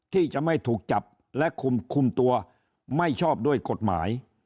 ที่จะไม่ถูกจับและคุมตัวไม่ชอบด้วยกฎหมาย